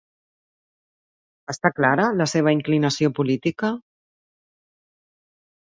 Està clara la seva inclinació política?